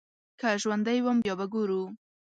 که ژوندی وم بيا به ګورو.